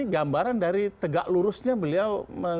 gambaran dari tegak lurusnya beliau